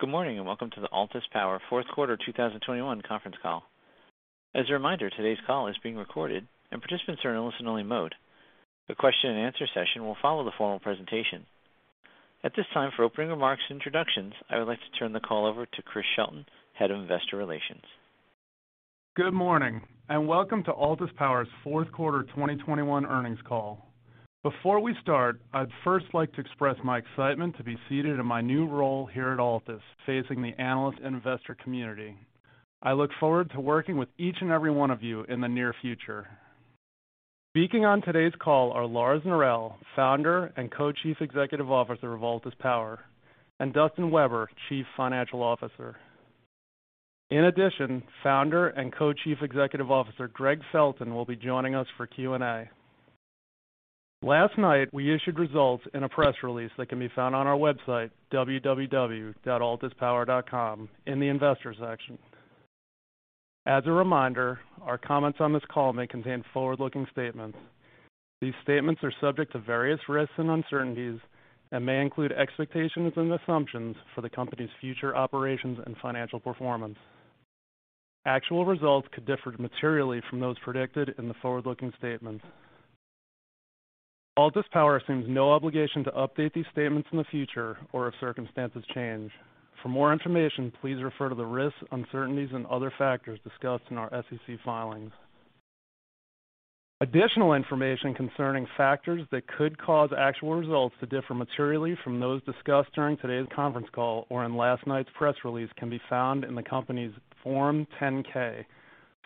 Good morning, and welcome to the Altus Power Fourth Quarter 2021 conference call. As a reminder, today's call is being recorded and participants are in listen-only mode. The question and answer session will follow the formal presentation. At this time, for opening remarks and introductions, I would like to turn the call over to Chris Shelton, Head of Investor Relations. Good morning, and welcome to Altus Power's fourth quarter 2021 earnings call. Before we start, I'd first like to express my excitement to be seated in my new role here at Altus, facing the analyst investor community. I look forward to working with each and every one of you in the near future. Speaking on today's call are Lars Norell, Founder and Co-Chief Executive Officer of Altus Power, and Dustin Weber, Chief Financial Officer. In addition, Founder and Co-Chief Executive Officer Gregg Felton will be joining us for Q&A. Last night, we issued results in a press release that can be found on our website, www.altuspower.com, in the investor section. As a reminder, our comments on this call may contain forward-looking statements. These statements are subject to various risks and uncertainties and may include expectations and assumptions for the company's future operations and financial performance. Actual results could differ materially from those predicted in the forward-looking statements. Altus Power assumes no obligation to update these statements in the future or if circumstances change. For more information, please refer to the risks, uncertainties, and other factors discussed in our SEC filings. Additional information concerning factors that could cause actual results to differ materially from those discussed during today's conference call or in last night's press release can be found in the company's Form 10-K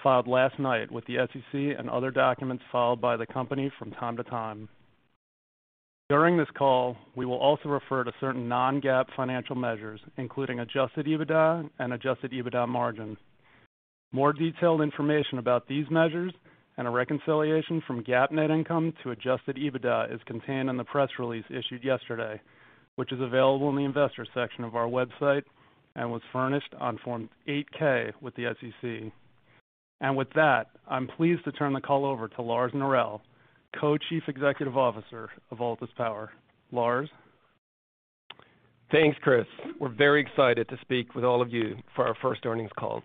filed last night with the SEC and other documents filed by the company from time to time. During this call, we will also refer to certain non-GAAP financial measures, including Adjusted EBITDA and Adjusted EBITDA margins. More detailed information about these measures and a reconciliation from GAAP net income to Adjusted EBITDA is contained in the press release issued yesterday, which is available in the investor section of our website and was furnished on Form 8-K with the SEC. With that, I'm pleased to turn the call over to Lars Norell, Co-Chief Executive Officer of Altus Power. Lars? Thanks, Chris. We're very excited to speak with all of you for our first earnings call.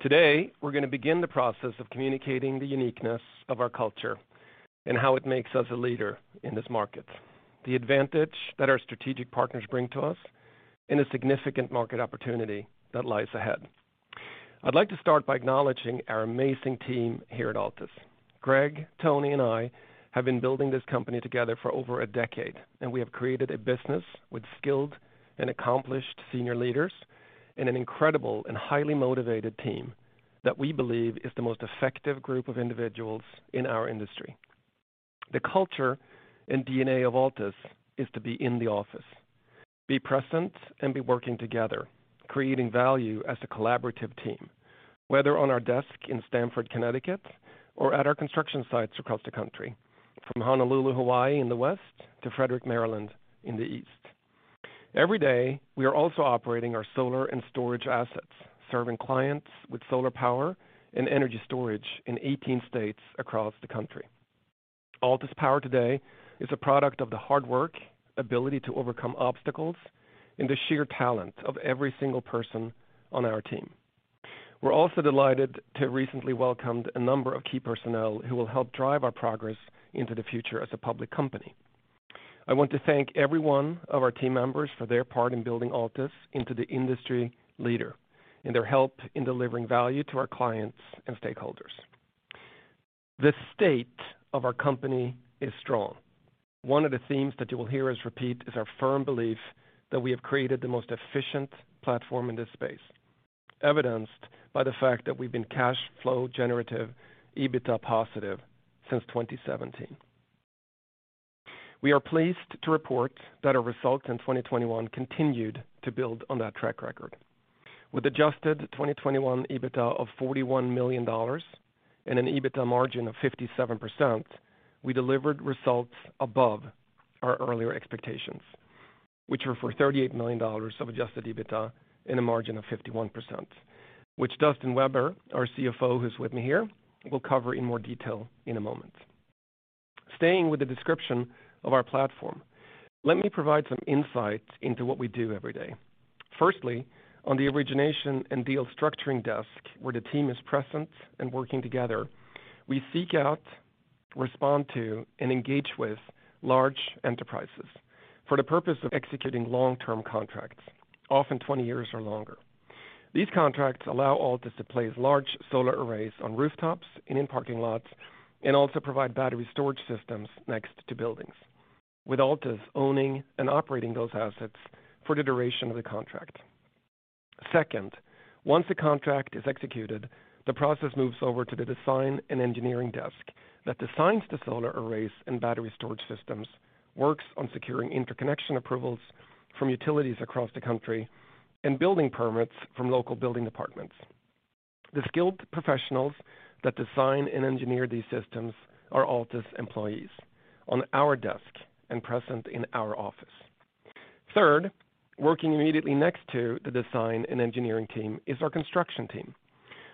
Today, we're gonna begin the process of communicating the uniqueness of our culture and how it makes us a leader in this market, the advantage that our strategic partners bring to us, and a significant market opportunity that lies ahead. I'd like to start by acknowledging our amazing team here at Altus. Gregg, Tony, and I have been building this company together for over a decade, and we have created a business with skilled and accomplished senior leaders and an incredible and highly motivated team that we believe is the most effective group of individuals in our industry. The culture and DNA of Altus is to be in the office, be present, and be working together, creating value as a collaborative team, whether on our desk in Stamford, Connecticut, or at our construction sites across the country, from Honolulu, Hawaii, in the west to Frederick, Maryland, in the east. Every day, we are also operating our solar and storage assets, serving clients with solar power and energy storage in eighteen states across the country. Altus Power today is a product of the hard work, ability to overcome obstacles, and the sheer talent of every single person on our team. We're also delighted to have recently welcomed a number of key personnel who will help drive our progress into the future as a public company. I want to thank every one of our team members for their part in building Altus into the industry leader and their help in delivering value to our clients and stakeholders. The state of our company is strong. One of the themes that you will hear us repeat is our firm belief that we have created the most efficient platform in this space, evidenced by the fact that we've been cash flow generative EBITDA positive since 2017. We are pleased to report that our results in 2021 continued to build on that track record. With Adjusted 2021 EBITDA of $41 million and an EBITDA margin of 57%, we delivered results above our earlier expectations, which were for $38 million of Adjusted EBITDA and a margin of 51%, which Dustin Weber, our CFO, who's with me here, will cover in more detail in a moment. Staying with the description of our platform, let me provide some insights into what we do every day. Firstly, on the origination and deal structuring desk, where the team is present and working together, we seek out, respond to, and engage with large enterprises for the purpose of executing long-term contracts, often 20 years or longer. These contracts allow Altus to place large solar arrays on rooftops and in parking lots and also provide battery storage systems next to buildings. With Altus owning and operating those assets for the duration of the contract. Second, once the contract is executed, the process moves over to the design and engineering desk that designs the solar arrays and battery storage systems, works on securing interconnection approvals from utilities across the country and building permits from local building departments. The skilled professionals that design and engineer these systems are Altus employees on our desk and present in our office. Third, working immediately next to the design and engineering team is our construction team,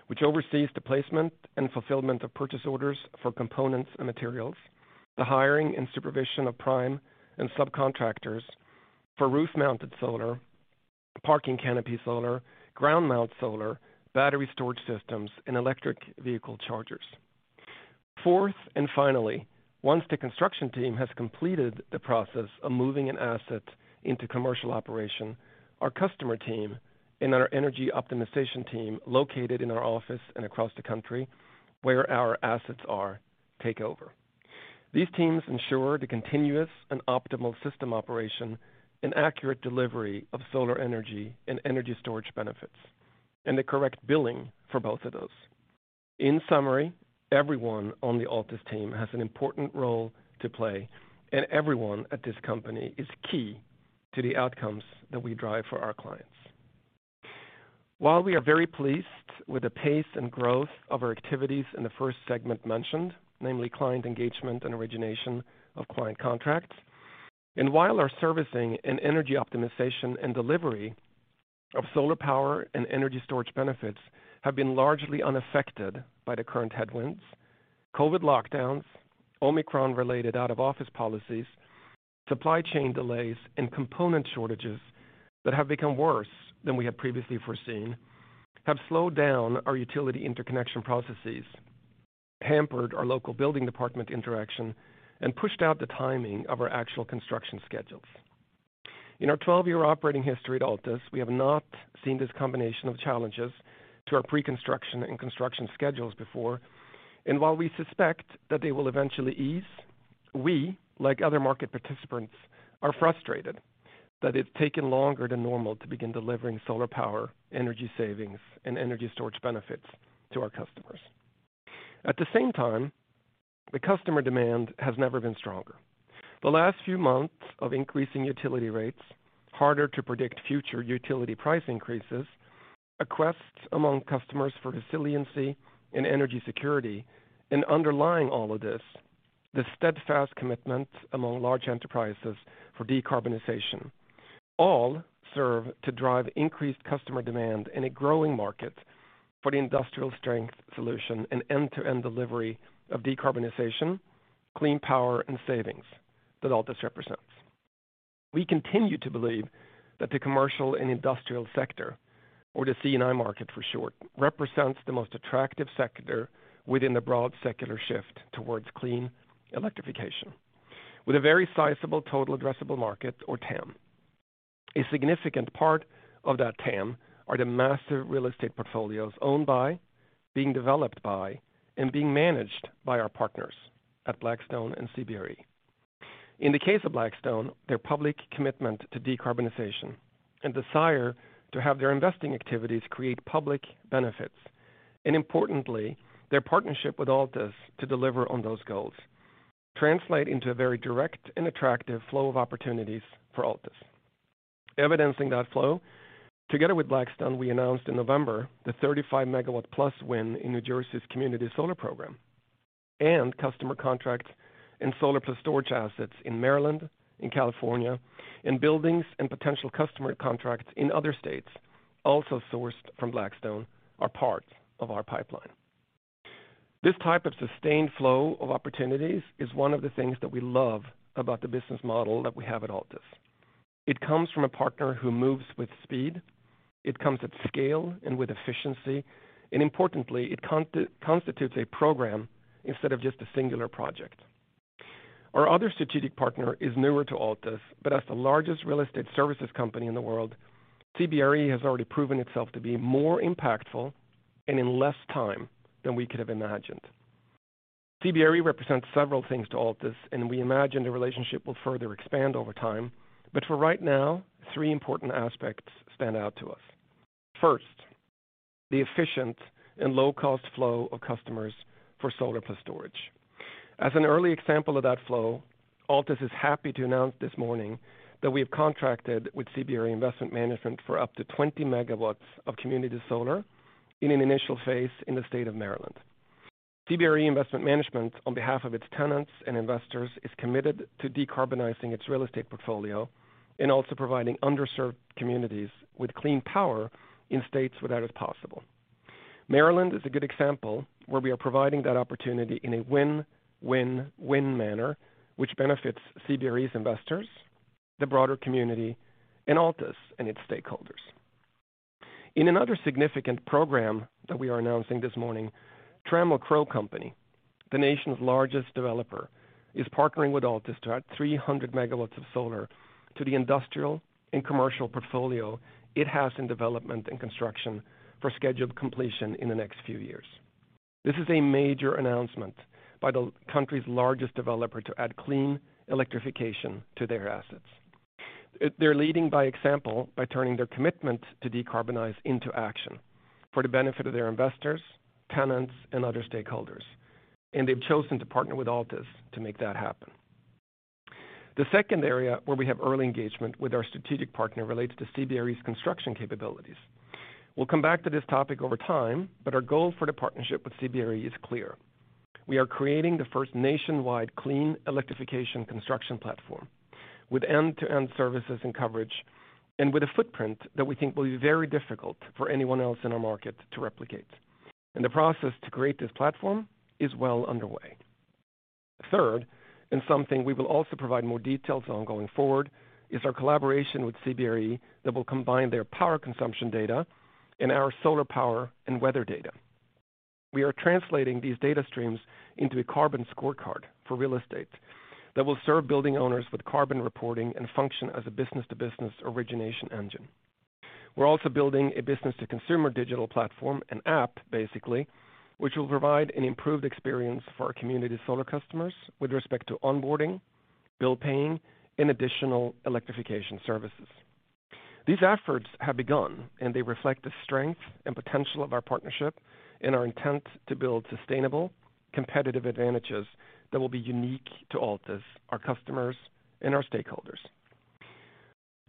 which oversees the placement and fulfillment of purchase orders for components and materials, the hiring and supervision of prime and subcontractors for roof-mounted solar, parking canopy solar, ground mount solar, battery storage systems, and electric vehicle chargers. Fourth, and finally, once the construction team has completed the process of moving an asset into commercial operation, our customer team and our energy optimization team, located in our office and across the country where our assets are, take over. These teams ensure the continuous and optimal system operation and accurate delivery of solar energy and energy storage benefits, and the correct billing for both of those. In summary, everyone on the Altus team has an important role to play, and everyone at this company is key to the outcomes that we drive for our clients. While we are very pleased with the pace and growth of our activities in the first segment mentioned, namely client engagement and origination of client contracts, and while our servicing and energy optimization and delivery of solar power and energy storage benefits have been largely unaffected by the current headwinds, COVID lockdowns, Omicron-related out-of-office policies, supply chain delays, and component shortages that have become worse than we had previously foreseen, have slowed down our utility interconnection processes, hampered our local building department interaction, and pushed out the timing of our actual construction schedules. In our 12-year operating history at Altus, we have not seen this combination of challenges to our pre-construction and construction schedules before, and while we suspect that they will eventually ease, we, like other market participants, are frustrated that it's taken longer than normal to begin delivering solar power, energy savings, and energy storage benefits to our customers. At the same time, the customer demand has never been stronger. The last few months of increasing utility rates, harder to predict future utility price increases, a quest among customers for resiliency and energy security, and underlying all of this, the steadfast commitment among large enterprises for decarbonization, all serve to drive increased customer demand in a growing market for the industrial strength solution and end-to-end delivery of decarbonization, clean power, and savings that Altus represents. We continue to believe that the commercial and industrial sector, or the C&I market for short, represents the most attractive sector within the broad secular shift towards clean electrification, with a very sizable total addressable market, or TAM. A significant part of that TAM are the massive real estate portfolios owned by, being developed by, and being managed by our partners at Blackstone and CBRE. In the case of Blackstone, their public commitment to decarbonization and desire to have their investing activities create public benefits, and importantly, their partnership with Altus to deliver on those goals translate into a very direct and attractive flow of opportunities for Altus. Evidencing that flow, together with Blackstone, we announced in November the 35 MW+ win in New Jersey's community solar program and customer contracts and solar plus storage assets in Maryland and California, and buildings and potential customer contracts in other states, also sourced from Blackstone, are part of our pipeline. This type of sustained flow of opportunities is one of the things that we love about the business model that we have at Altus. It comes from a partner who moves with speed. It comes at scale and with efficiency, and importantly, it constitutes a program instead of just a singular project. Our other strategic partner is newer to Altus, but as the largest real estate services company in the world, CBRE has already proven itself to be more impactful and in less time than we could have imagined. CBRE represents several things to Altus, and we imagine the relationship will further expand over time. For right now, three important aspects stand out to us. First, the efficient and low-cost flow of customers for solar plus storage. As an early example of that flow, Altus is happy to announce this morning that we have contracted with CBRE Investment Management for up to 20 MW of community solar in an initial phase in the state of Maryland. CBRE Investment Management, on behalf of its tenants and investors, is committed to decarbonizing its real estate portfolio and also providing underserved communities with clean power in states where that is possible. Maryland is a good example where we are providing that opportunity in a win-win-win manner, which benefits CBRE's investors, the broader community, and Altus and its stakeholders. In another significant program that we are announcing this morning, Trammell Crow Company, the nation's largest developer, is partnering with Altus to add 300 MW of solar to the industrial and commercial portfolio it has in development and construction for scheduled completion in the next few years. This is a major announcement by the country's largest developer to add clean electrification to their assets. They're leading by example by turning their commitment to decarbonize into action for the benefit of their investors, tenants, and other stakeholders. They've chosen to partner with Altus to make that happen. The second area where we have early engagement with our strategic partner relates to CBRE's construction capabilities. We'll come back to this topic over time, but our goal for the partnership with CBRE is clear. We are creating the first nationwide clean electrification construction platform with end-to-end services and coverage, and with a footprint that we think will be very difficult for anyone else in our market to replicate. The process to create this platform is well underway. Third, something we will also provide more details on going forward, is our collaboration with CBRE that will combine their power consumption data and our solar power and weather data. We are translating these data streams into a carbon scorecard for real estate that will serve building owners with carbon reporting and function as a business-to-business origination engine. We're also building a business-to-consumer digital platform, an app basically, which will provide an improved experience for our community solar customers with respect to onboarding, bill paying, and additional electrification services. These efforts have begun, and they reflect the strength and potential of our partnership and our intent to build sustainable, competitive advantages that will be unique to Altus, our customers, and our stakeholders.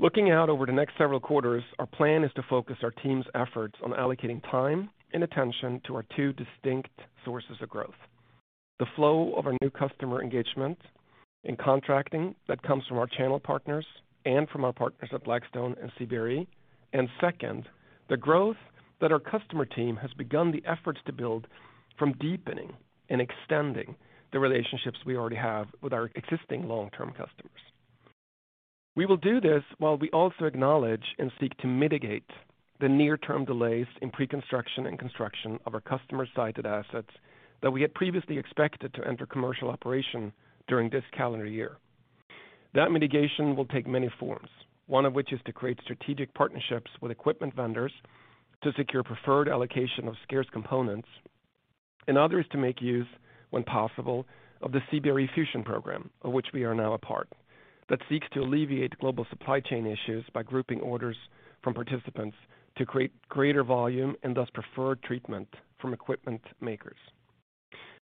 Looking out over the next several quarters, our plan is to focus our team's efforts on allocating time and attention to our two distinct sources of growth. The flow of our new customer engagement and contracting that comes from our channel partners and from our partners at Blackstone and CBRE. Second, the growth that our customer team has begun the efforts to build from deepening and extending the relationships we already have with our existing long-term customers. We will do this while we also acknowledge and seek to mitigate the near-term delays in pre-construction and construction of our customer-sited assets that we had previously expected to enter commercial operation during this calendar year. That mitigation will take many forms, one of which is to create strategic partnerships with equipment vendors to secure preferred allocation of scarce components, and others to make use, when possible, of the CBRE Fusion program, of which we are now a part, that seeks to alleviate global supply chain issues by grouping orders from participants to create greater volume and thus preferred treatment from equipment makers.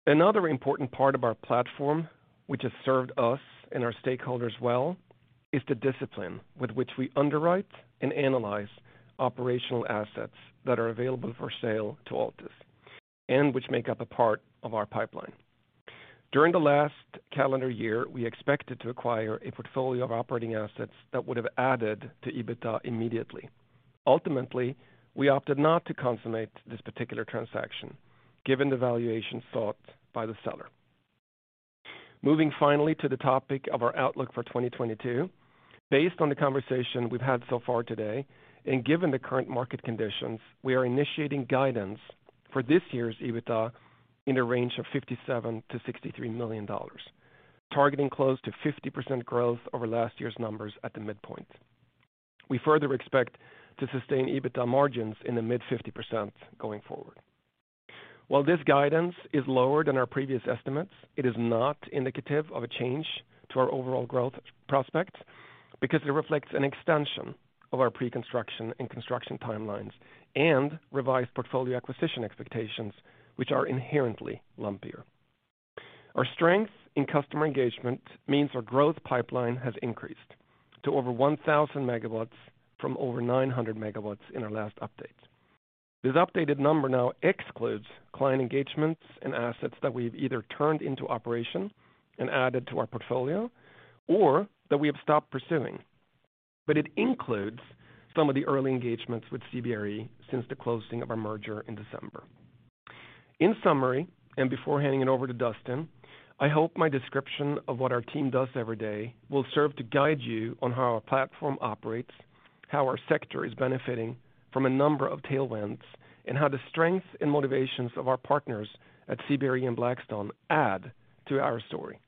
Another important part of our platform, which has served us and our stakeholders well, is the discipline with which we underwrite and analyze operational assets that are available for sale to Altus and which make up a part of our pipeline. During the last calendar year, we expected to acquire a portfolio of operating assets that would have added to EBITDA immediately. Ultimately, we opted not to consummate this particular transaction, given the valuation sought by the seller. Moving finally to the topic of our outlook for 2022. Based on the conversation we've had so far today, and given the current market conditions, we are initiating guidance for this year's EBITDA in a range of $57 million-$63 million, targeting close to 50% growth over last year's numbers at the midpoint. We further expect to sustain EBITDA margins in the mid-50% going forward. While this guidance is lower than our previous estimates, it is not indicative of a change to our overall growth prospects, because it reflects an extension of our pre-construction and construction timelines and revised portfolio acquisition expectations, which are inherently lumpier. Our strength in customer engagement means our growth pipeline has increased to over 1,000 MW from over 900 MW in our last update. This updated number now excludes client engagements and assets that we've either turned into operation and added to our portfolio or that we have stopped pursuing. It includes some of the early engagements with CBRE since the closing of our merger in December. In summary, and before handing it over to Dustin, I hope my description of what our team does every day will serve to guide you on how our platform operates, how our sector is benefiting from a number of tailwinds, and how the strengths and motivations of our partners at CBRE and Blackstone add to our story,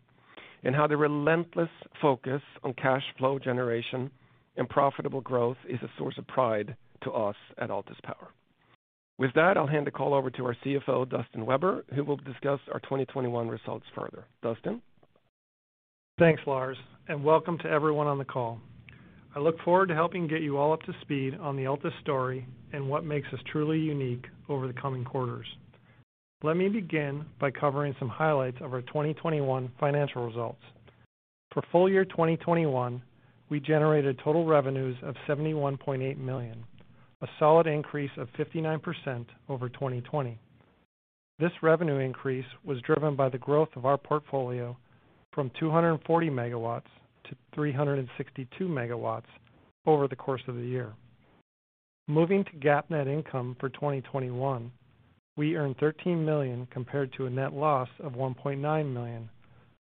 and how the relentless focus on cash flow generation and profitable growth is a source of pride to us at Altus Power. With that, I'll hand the call over to our CFO, Dustin Weber, who will discuss our 2021 results further. Dustin? Thanks, Lars, and welcome to everyone on the call. I look forward to helping get you all up to speed on the Altus story and what makes us truly unique over the coming quarters. Let me begin by covering some highlights of our 2021 financial results. For full year 2021, we generated total revenues of $71.8 million, a solid increase of 59% over 2020. This revenue increase was driven by the growth of our portfolio from 240 MW to 362 MW over the course of the year. Moving to GAAP net income for 2021, we earned $13 million compared to a net loss of $1.9 million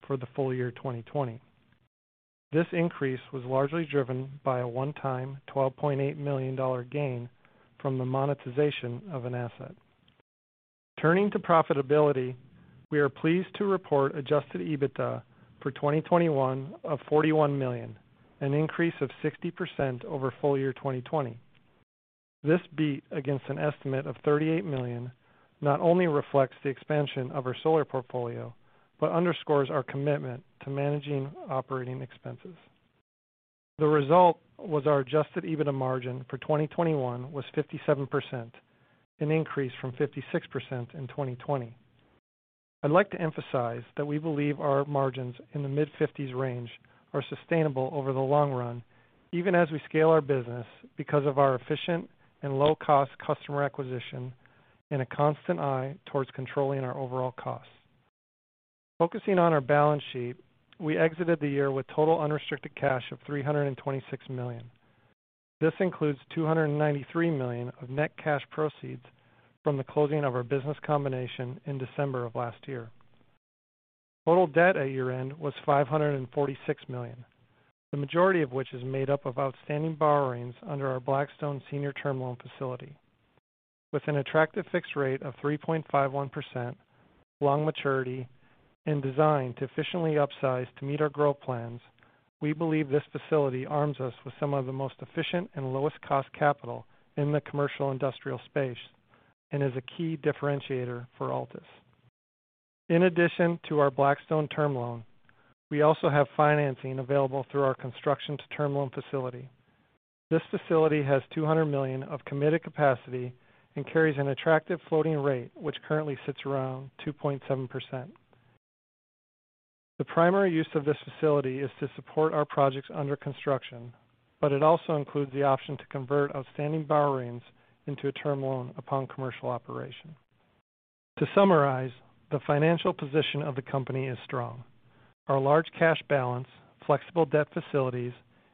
for the full year 2020. This increase was largely driven by a one-time $12.8 million gain from the monetization of an asset. Turning to profitability, we are pleased to report Adjusted EBITDA for 2021 of $41 million, an increase of 60% over full year 2020. This beat against an estimate of $38 million not only reflects the expansion of our solar portfolio, but underscores our commitment to managing operating expenses. The result was our Adjusted EBITDA margin for 2021 was 57%, an increase from 56% in 2020. I'd like to emphasize that we believe our margins in the mid-fifties range are sustainable over the long run, even as we scale our business because of our efficient and low-cost customer acquisition and a constant eye towards controlling our overall costs. Focusing on our balance sheet, we exited the year with total unrestricted cash of $326 million. This includes $293 million of net cash proceeds from the closing of our business combination in December of last year. Total debt at year-end was $546 million, the majority of which is made up of outstanding borrowings under our Blackstone senior term loan facility. With an attractive fixed rate of 3.51%, long maturity, and designed to efficiently upsize to meet our growth plans, we believe this facility arms us with some of the most efficient and lowest cost capital in the commercial industrial space and is a key differentiator for Altus. In addition to our Blackstone term loan, we also have financing available through our construction to term loan facility. This facility has $200 million of committed capacity and carries an attractive floating rate, which currently sits around 2.7%. The primary use of this facility is to support our projects under construction, but it also includes the option to convert outstanding borrowings into a term loan upon commercial operation. To summarize, the financial position of the company is strong. Our large cash balance, flexible debt facilities,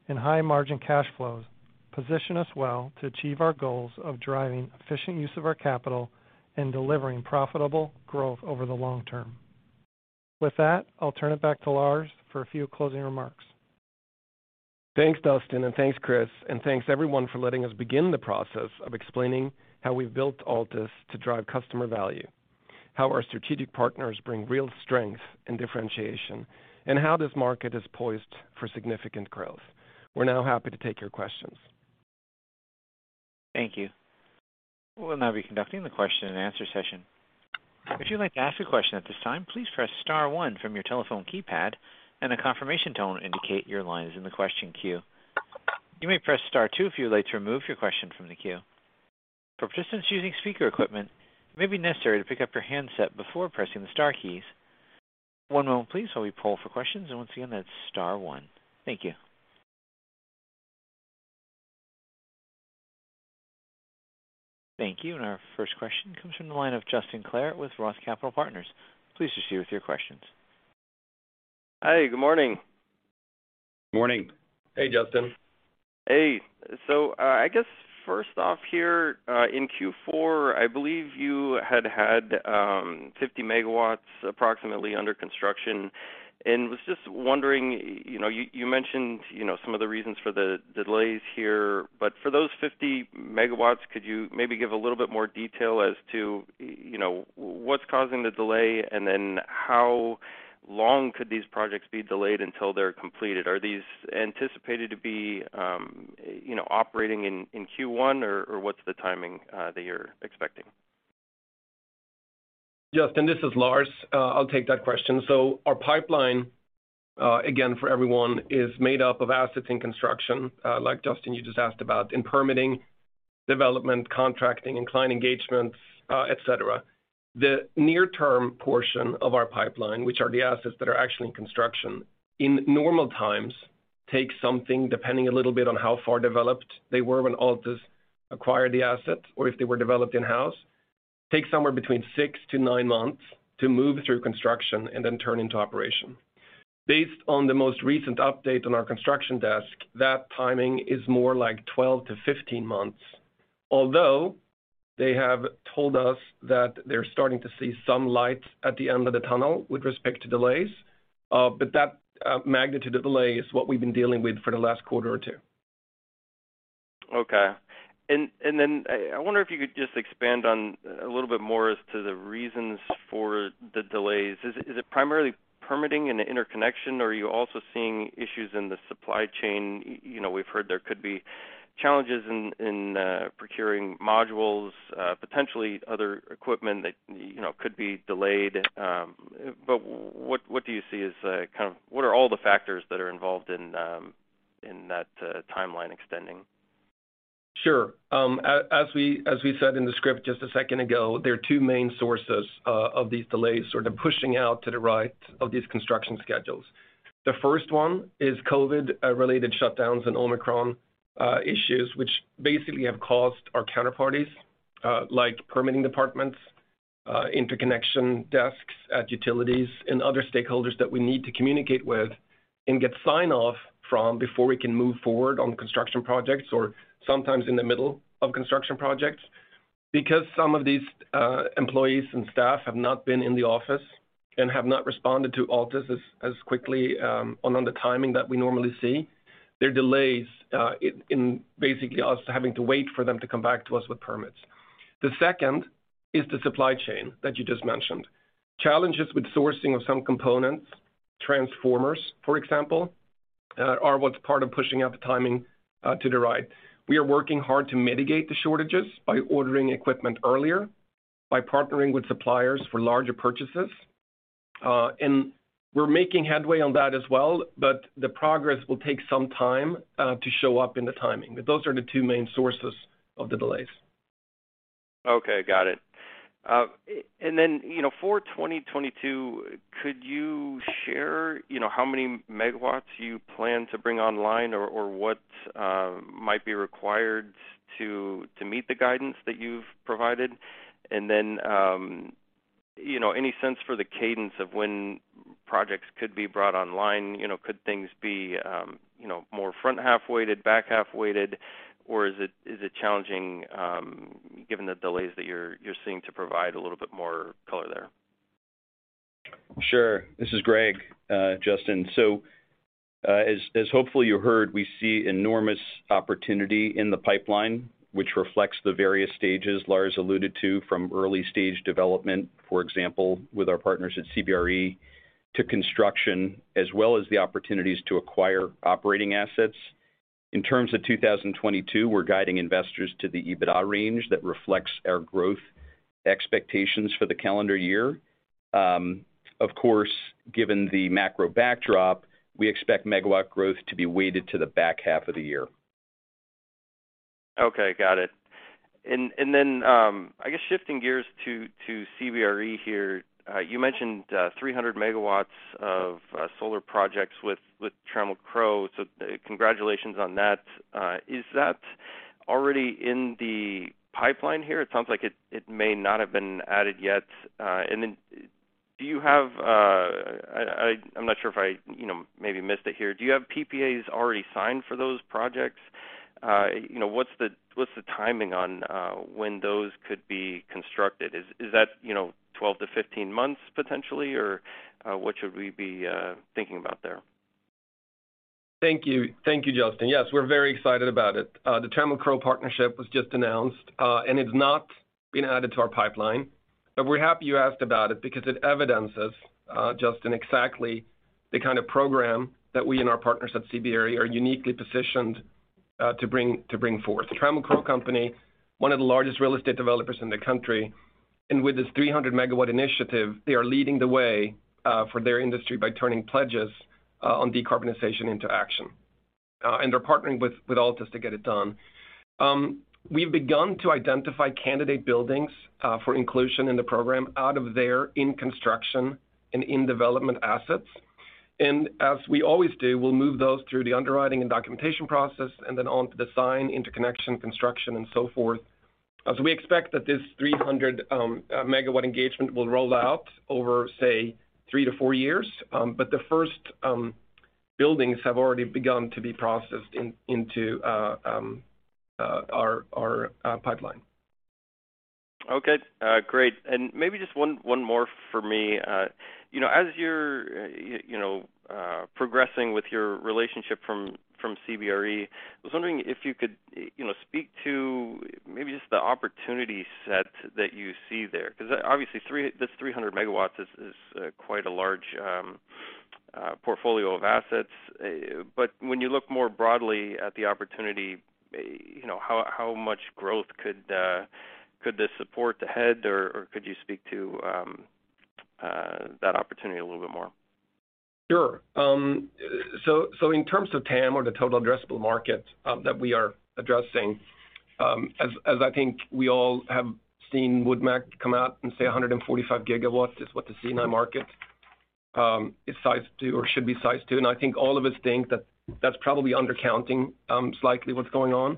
and high-margin cash flows position us well to achieve our goals of driving efficient use of our capital and delivering profitable growth over the long term. With that, I'll turn it back to Lars for a few closing remarks. Thanks, Dustin, and thanks, Chris. Thanks, everyone, for letting us begin the process of explaining how we've built Altus to drive customer value, how our strategic partners bring real strength and differentiation, and how this market is poised for significant growth. We're now happy to take your questions. Thank you. We'll now be conducting the question and answer session. If you'd like to ask a question at this time, please press star one from your telephone keypad, and a confirmation tone will indicate your line is in the question queue. You may press star two if you would like to remove your question from the queue. For participants using speaker equipment, it may be necessary to pick up your handset before pressing the star keys. One moment please while we poll for questions, and once again, that's star one. Thank you. Thank you. Our first question comes from the line of Justin Clare with Roth Capital Partners. Please proceed with your questions. Hi, good morning. Morning. Morning. Hey, Justin. Hey. I guess first off here, in Q4, I believe you had approximately 50 MW under construction. I was just wondering, you know, you mentioned, you know, some of the reasons for the delays here, but for those 50 MW, could you maybe give a little bit more detail as to, you know, what's causing the delay? How long could these projects be delayed until they're completed? Are these anticipated to be, you know, operating in Q1 or what's the timing that you're expecting? Justin, this is Lars. I'll take that question. Our pipeline, again, for everyone is made up of assets in construction, like Justin, you just asked about, in permitting, development, contracting, and client engagements, et cetera. The near-term portion of our pipeline, which are the assets that are actually in construction, in normal times, take something depending a little bit on how far developed they were when Altus acquired the assets, or if they were developed in-house, takes somewhere between six to nine months to move through construction and then turn into operation. Based on the most recent update on our construction desk, that timing is more like 12-15 months. Although they have told us that they're starting to see some light at the end of the tunnel with respect to delays, but that magnitude of delay is what we've been dealing with for the last quarter or two. Okay. I wonder if you could just expand on a little bit more as to the reasons for the delays. Is it primarily permitting and interconnection, or are you also seeing issues in the supply chain? You know, we've heard there could be challenges in procuring modules, potentially other equipment that could be delayed. What do you see as the factors that are involved in that timeline extending? Sure. As we said in the script just a second ago, there are two main sources of these delays sort of pushing out to the right of these construction schedules. The first one is COVID-related shutdowns and Omicron issues, which basically have caused our counterparties, like permitting departments, interconnection desks at utilities and other stakeholders that we need to communicate with and get sign-off from before we can move forward on construction projects or sometimes in the middle of construction projects. Because some of these employees and staff have not been in the office and have not responded to Altus as quickly, on the timing that we normally see, there are delays, in basically us having to wait for them to come back to us with permits. The second is the supply chain that you just mentioned. Challenges with sourcing of some components, transformers, for example, are what's part of pushing out the timing to the right. We are working hard to mitigate the shortages by ordering equipment earlier, by partnering with suppliers for larger purchases. We're making headway on that as well, but the progress will take some time to show up in the timing. Those are the two main sources of the delays. Okay, got it. And then, you know, for 2022, could you share, you know, how many megawatts you plan to bring online or what might be required to meet the guidance that you've provided? You know, any sense for the cadence of when projects could be brought online? You know, could things be more front half weighted, back half weighted, or is it challenging, given the delays that you're seeing to provide a little bit more color there? Sure. This is Gregg, Justin. As hopefully you heard, we see enormous opportunity in the pipeline, which reflects the various stages Lars alluded to from early stage development, for example, with our partners at CBRE, to construction, as well as the opportunities to acquire operating assets. In terms of 2022, we're guiding investors to the EBITDA range that reflects our growth expectations for the calendar year. Of course, given the macro backdrop, we expect megawatt growth to be weighted to the back half of the year. Okay, got it. I guess shifting gears to CBRE here. You mentioned 300 MW of solar projects with Trammell Crow. Congratulations on that. Is that already in the pipeline here? It sounds like it may not have been added yet. Do you have... I'm not sure if I, you know, maybe missed it here. Do you have PPAs already signed for those projects? You know, what's the timing on when those could be constructed? Is that, you know, 12-15 months potentially, or what should we be thinking about there? Thank you. Thank you, Justin. Yes, we're very excited about it. The Trammell Crow Partnership was just announced, and it's not been added to our pipeline, but we're happy you asked about it because it evidences, Justin, exactly the kind of program that we and our partners at CBRE are uniquely positioned to bring forth. Trammell Crow Company, one of the largest real estate developers in the country. With this 300 MW initiative, they are leading the way for their industry by turning pledges on decarbonization into action. They're partnering with Altus to get it done. We've begun to identify candidate buildings for inclusion in the program out of their in-construction and in-development assets. As we always do, we'll move those through the underwriting and documentation process and then on to design, interconnection, construction and so forth. As we expect that this 300 MW engagement will roll out over, say, three to four years. The first buildings have already begun to be processed into our pipeline. Okay, great. Maybe just one more for me. You know, as you're progressing with your relationship with CBRE, I was wondering if you could, you know, speak to maybe just the opportunity set that you see there, 'cause obviously this 300 MW is quite a large portfolio of assets. But when you look more broadly at the opportunity, you know, how much growth could this support ahead or could you speak to that opportunity a little bit more? Sure. So in terms of TAM or the total addressable market that we are addressing, as I think we all have seen WoodMac come out and say 145 GW is what the C&I market is sized to or should be sized to. I think all of us think that that's probably undercounting slightly what's going on.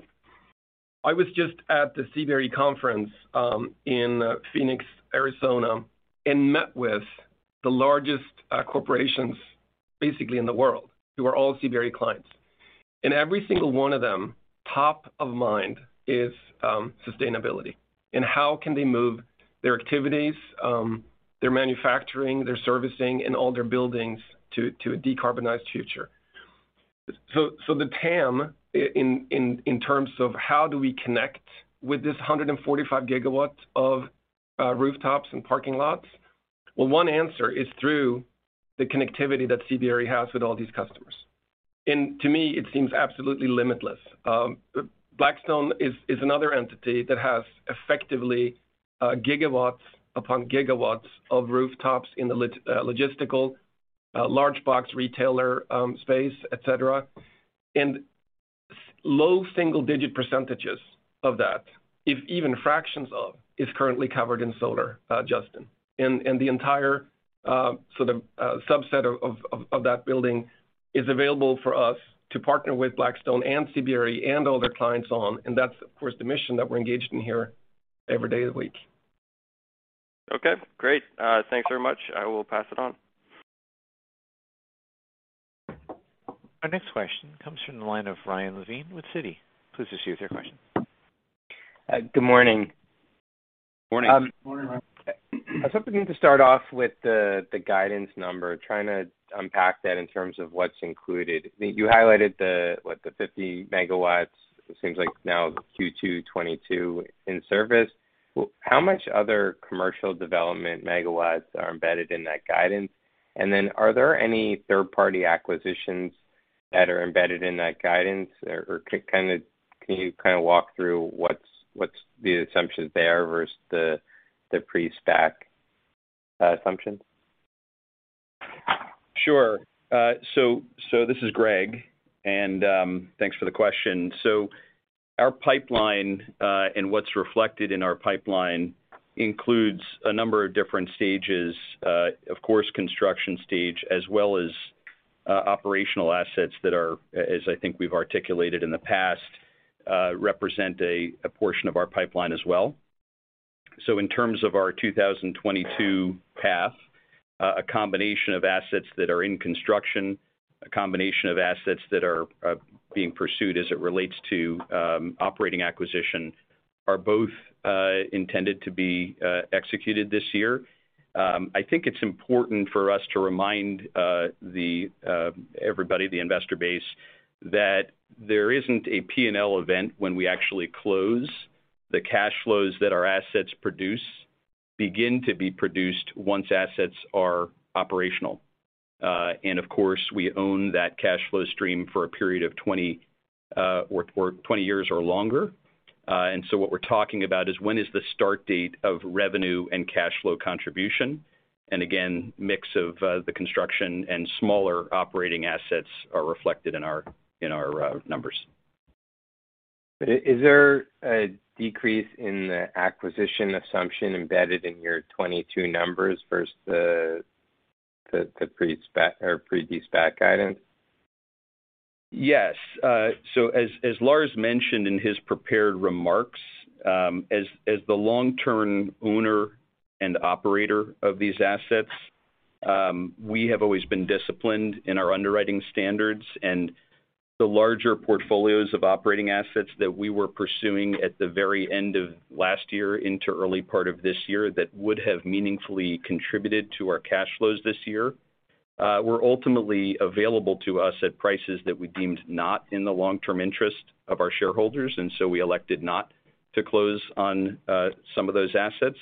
I was just at the CBRE conference in Phoenix, Arizona, and met with the largest corporations basically in the world, who are all CBRE clients. Every single one of them, top of mind is sustainability and how can they move their activities their manufacturing, their servicing, and all their buildings to a decarbonized future. The TAM in terms of how do we connect with this 145 GW of rooftops and parking lots. Well, one answer is through the connectivity that CBRE has with all these customers. To me, it seems absolutely limitless. Blackstone is another entity that has effectively gigawatts upon gigawatts of rooftops in the logistical large box retailer space, et cetera. Low single-digit percentages of that, if even fractions of, is currently covered in solar, Justin. The entire sort of subset of that building is available for us to partner with Blackstone and CBRE and all their clients on. That's, of course, the mission that we're engaged in here every day of the week. Okay, great. Thanks very much. I will pass it on. Our next question comes from the line of Ryan Levine with Citi. Please proceed with your question. Good morning. Morning. Morning, Ryan. I was hoping to start off with the guidance number, trying to unpack that in terms of what's included. You highlighted the 50 MW, it seems like now Q2 2022 in service. How much other commercial development megawatts are embedded in that guidance? Are there any third-party acquisitions that are embedded in that guidance? Can you kind of walk through what's the assumptions there versus the pre-SPAC assumptions? Sure. This is Gregg, and thanks for the question. Our pipeline, and what's reflected in our pipeline includes a number of different stages. Of course, construction stage, as well as operational assets that are, as I think we've articulated in the past, represent a portion of our pipeline as well. In terms of our 2022 path, a combination of assets that are in construction, a combination of assets that are being pursued as it relates to operational acquisition, are both intended to be executed this year. I think it's important for us to remind everybody, the investor base, that there isn't a P&L event when we actually close. The cash flows that our assets produce begin to be produced once assets are operational. Of course, we own that cash flow stream for a period of 20 years or longer. What we're talking about is when is the start date of revenue and cash flow contribution. Again, mix of the construction and smaller operating assets are reflected in our numbers. Is there a decrease in the acquisition assumption embedded in your 2022 numbers versus the pre-de-SPAC guidance? Yes, so as Lars mentioned in his prepared remarks, as the long-term owner and operator of these assets, we have always been disciplined in our underwriting standards. The larger portfolios of operating assets that we were pursuing at the very end of last year into early part of this year that would have meaningfully contributed to our cash flows this year were ultimately available to us at prices that we deemed not in the long-term interest of our shareholders, and so we elected not to close on some of those assets.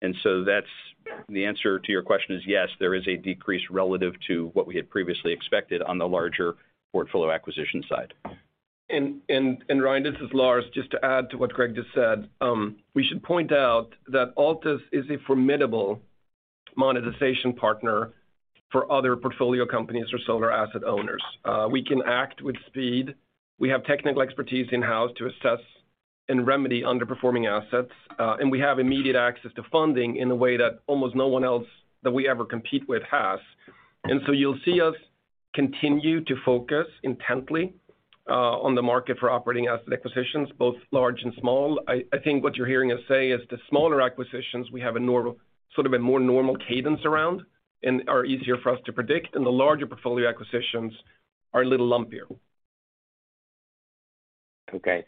That's the answer to your question is, yes, there is a decrease relative to what we had previously expected on the larger portfolio acquisition side. Ryan, this is Lars. Just to add to what Gregg just said. We should point out that Altus is a formidable monetization partner for other portfolio companies or solar asset owners. We can act with speed. We have technical expertise in-house to assess and remedy underperforming assets. And we have immediate access to funding in a way that almost no one else that we ever compete with has. You'll see us continue to focus intently on the market for operating asset acquisitions, both large and small. I think what you're hearing us say is the smaller acquisitions we have a sort of a more normal cadence around and are easier for us to predict, and the larger portfolio acquisitions are a little lumpier. Okay.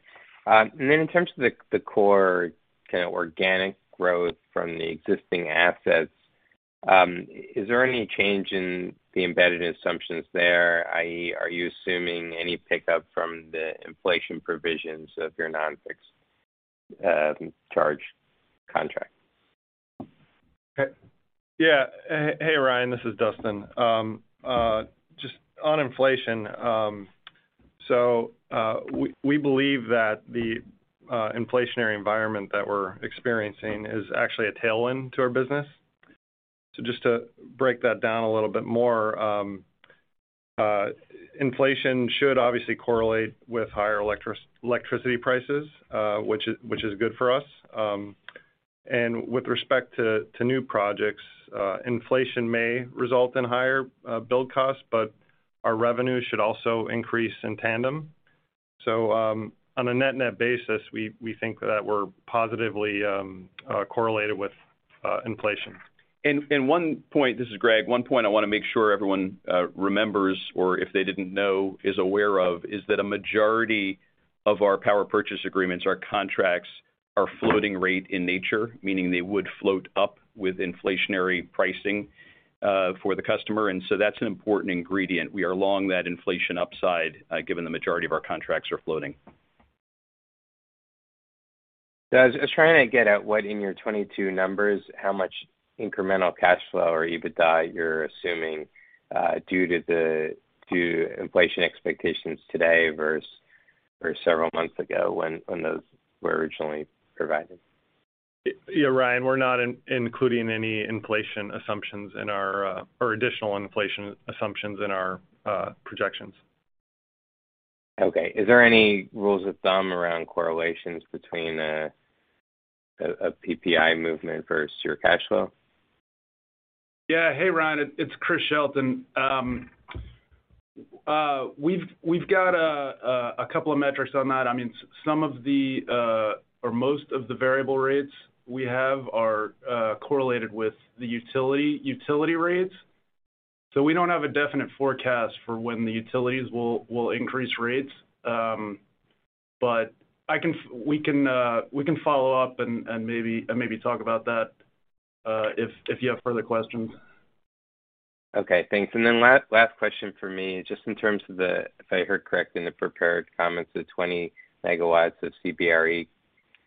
In terms of the core kinda organic growth from the existing assets, is there any change in the embedded assumptions there? i.e., are you assuming any pickup from the inflation provisions of your non-fixed charge contract? Yeah. Hey, Ryan, this is Dustin. Just on inflation, we believe that the inflationary environment that we're experiencing is actually a tailwind to our business. Just to break that down a little bit more, inflation should obviously correlate with higher electricity prices, which is good for us. With respect to new projects, inflation may result in higher build costs, but our revenue should also increase in tandem. On a net-net basis, we think that we're positively correlated with inflation. This is Gregg. One point I want to make sure everyone remembers or if they didn't know, is aware of, is that a majority of our power purchase agreements or contracts are floating rate in nature, meaning they would float up with inflationary pricing for the customer. That's an important ingredient. We are along that inflation upside, given the majority of our contracts are floating. I was just trying to get at what in your 2022 numbers, how much incremental cash flow or EBITDA you're assuming, due to inflation expectations today versus several months ago when those were originally provided. Yeah, Ryan, we're not including any inflation assumptions in our or additional inflation assumptions in our projections. Okay. Is there any rules of thumb around correlations between a PPI movement versus your cash flow? Yeah. Hey, Ryan. It's Chris Shelton. We've got a couple of metrics on that. I mean, some of the or most of the variable rates we have are correlated with the utility rates. We don't have a definite forecast for when the utilities will increase rates. But we can follow up and maybe talk about that if you have further questions. Okay, thanks. Last question for me. Just in terms of the if I heard correctly in the prepared comments, the 20 MW of CBRE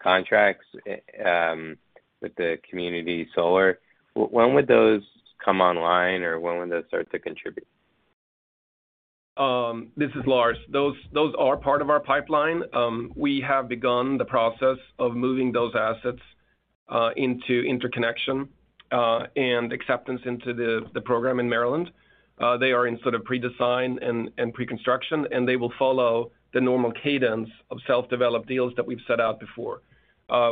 contracts with the community solar. When would those come online, or when would those start to contribute? This is Lars. Those are part of our pipeline. We have begun the process of moving those assets into interconnection and acceptance into the program in Maryland. They are in sort of pre-design and pre-construction, and they will follow the normal cadence of self-developed deals that we've set out before.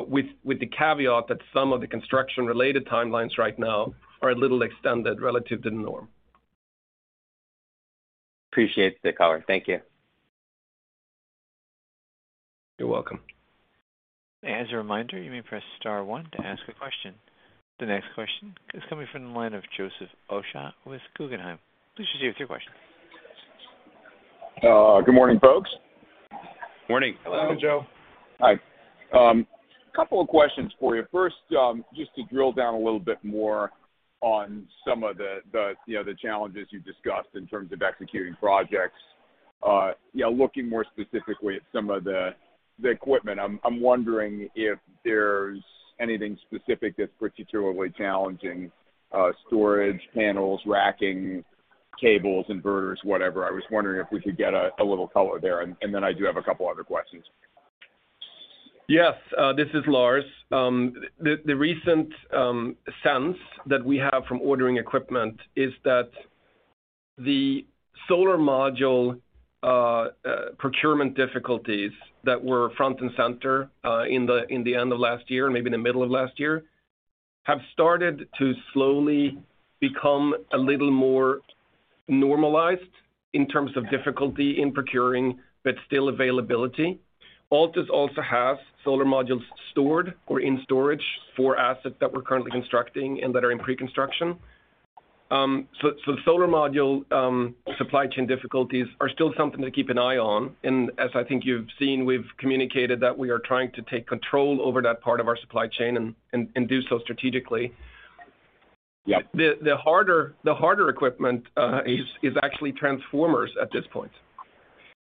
With the caveat that some of the construction-related timelines right now are a little extended relative to the norm. Appreciate the color. Thank you. You're welcome. As a reminder, you may press star one to ask a question. The next question is coming from the line of Joseph Osha with Guggenheim. Please proceed with your question. Good morning, folks. Morning. Hello. Morning, Joe. Hi. Couple of questions for you. First, just to drill down a little bit more on some of the, you know, the challenges you've discussed in terms of executing projects. You know, looking more specifically at some of the equipment, I'm wondering if there's anything specific that's particularly challenging, storage, panels, racking, cables, inverters, whatever. I was wondering if we could get a little color there. Then I do have a couple other questions. Yes. This is Lars. The recent sense that we have from ordering equipment is that the solar module procurement difficulties that were front and center in the end of last year, maybe in the middle of last year, have started to slowly become a little more normalized in terms of difficulty in procuring, but still availability. Altus also has solar modules stored or in storage for assets that we're currently constructing and that are in pre-construction. So solar module supply chain difficulties are still something to keep an eye on. As I think you've seen, we've communicated that we are trying to take control over that part of our supply chain and do so strategically. Yeah. The harder equipment is actually transformers at this point.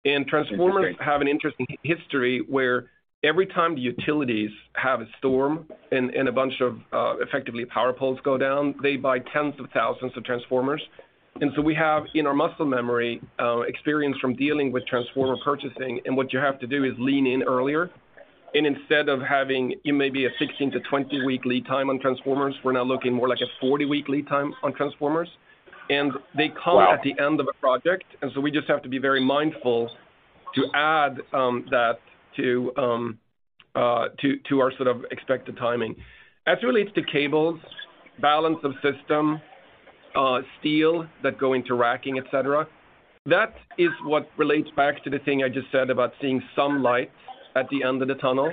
Transformers- Interesting. We have an interesting history, where every time the utilities have a storm and a bunch of effectively power poles go down, they buy tens of thousands of transformers. We have in our muscle memory experience from dealing with transformer purchasing, and what you have to do is lean in earlier. Instead of having it may be a 16- to 20-week lead time on transformers, we're now looking more like a 40-week lead time on transformers. They come Wow. at the end of a project. We just have to be very mindful to add that to our sort of expected timing. As it relates to cables, balance of system, steel that go into racking, et cetera, that is what relates back to the thing I just said about seeing some light at the end of the tunnel.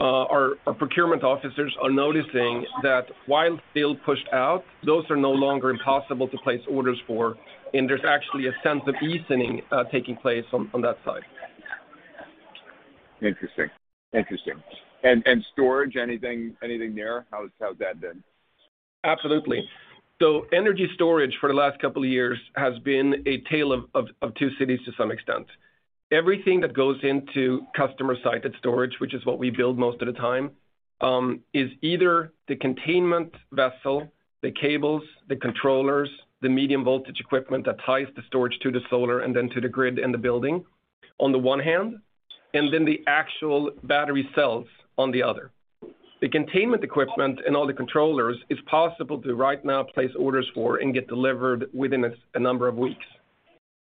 Our procurement officers are noticing that while still pushed out, those are no longer impossible to place orders for, and there's actually a sense of easing taking place on that side. Interesting. Storage, anything there? How's that been? Absolutely. Energy storage for the last couple of years has been a tale of two cities to some extent. Everything that goes into customer-sited storage, which is what we build most of the time, is either the containment vessel, the cables, the controllers, the medium voltage equipment that ties the storage to the solar and then to the grid and the building on the one hand, and then the actual battery cells on the other. The containment equipment and all the controllers is possible to right now place orders for and get delivered within a number of weeks.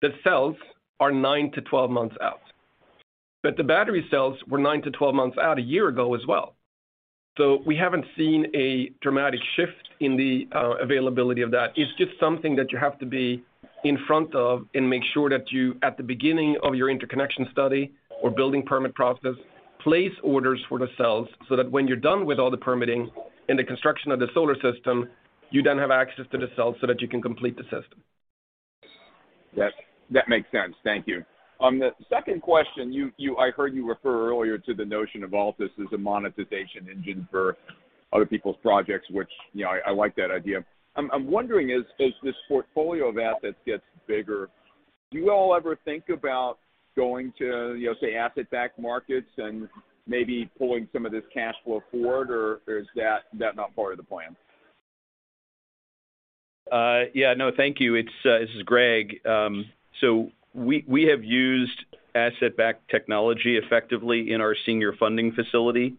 The cells are nine to 12 months out. But the battery cells were nine to 12 months out a year ago as well. We haven't seen a dramatic shift in the availability of that. It's just something that you have to be in front of and make sure that you, at the beginning of your interconnection study or building permit process, place orders for the cells so that when you're done with all the permitting and the construction of the solar system, you then have access to the cells so that you can complete the system. That makes sense. Thank you. The second question, I heard you refer earlier to the notion of Altus as a monetization engine for other people's projects, which, you know, I like that idea. I'm wondering as this portfolio of assets gets bigger, do you all ever think about going to, you know, say asset-backed markets and maybe pulling some of this cash flow forward, or is that not part of the plan? Yeah, no, thank you. This is Greg. We have used asset-backed technology effectively in our senior funding facility,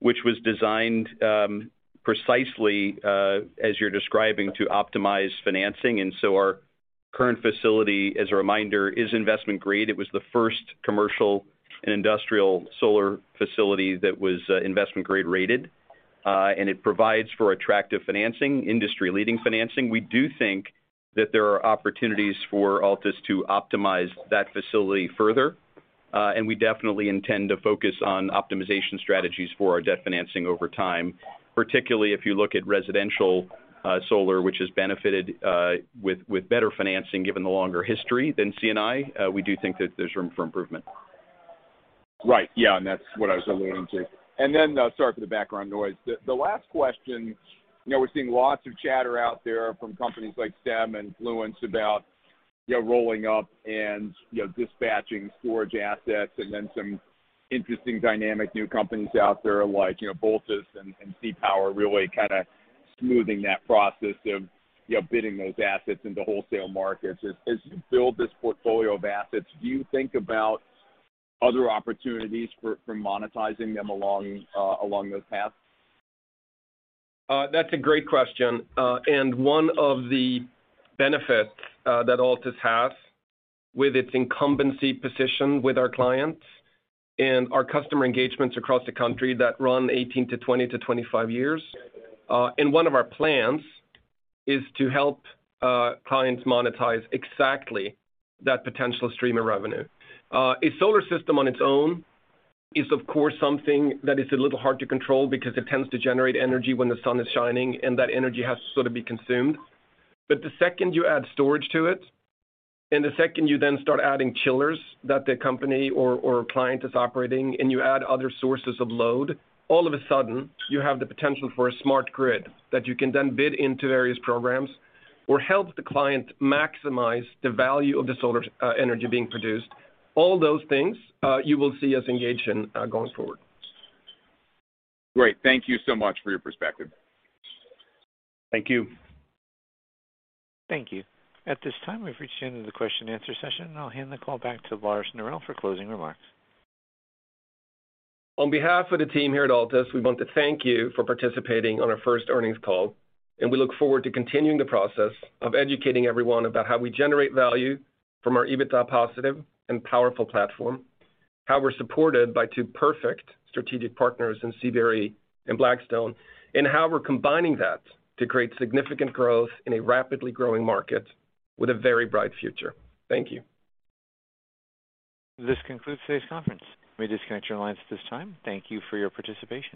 which was designed precisely as you're describing, to optimize financing. Our current facility, as a reminder, is investment grade. It was the first commercial and industrial solar facility that was investment grade rated. It provides for attractive financing, industry-leading financing. We do think that there are opportunities for Altus to optimize that facility further. We definitely intend to focus on optimization strategies for our debt financing over time, particularly if you look at residential solar, which has benefited with better financing given the longer history than C&I. We do think that there's room for improvement. Right. Yeah, that's what I was alluding to. Sorry for the background noise. The last question, you know, we're seeing lots of chatter out there from companies like Stem and Fluence about, you know, rolling up and, you know, dispatching storage assets, and then some interesting dynamic new companies out there like, you know, Voltus and CPower, really kinda smoothing that process of, you know, bidding those assets into wholesale markets. As you build this portfolio of assets, do you think about other opportunities for monetizing them along those paths? That's a great question. One of the benefits that Altus has with its incumbency position with our clients and our customer engagements across the country that run 18 to 20 to 25 years, and one of our plans is to help clients monetize exactly that potential stream of revenue. A solar system on its own is, of course, something that is a little hard to control because it tends to generate energy when the sun is shining, and that energy has to sort of be consumed. The second you add storage to it, and the second you then start adding chillers that the company or client is operating, and you add other sources of load, all of a sudden you have the potential for a smart grid that you can then bid into various programs or help the client maximize the value of the solar energy being produced. All those things, you will see us engage in, going forward. Great. Thank you so much for your perspective. Thank you. Thank you. At this time, we've reached the end of the question and answer session. I'll hand the call back to Lars Norell for closing remarks. On behalf of the team here at Altus, we want to thank you for participating on our first earnings call, and we look forward to continuing the process of educating everyone about how we generate value from our EBITDA-positive and powerful platform, how we're supported by two perfect strategic partners in CBRE and Blackstone, and how we're combining that to create significant growth in a rapidly growing market with a very bright future. Thank you. This concludes today's conference. You may disconnect your lines at this time. Thank you for your participation.